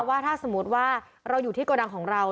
ว่าถ้าสมมุติว่าเราอยู่ที่โกดังของเรา